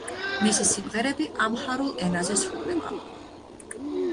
მისი სიმღერები ამჰარულ ენაზე სრულდება.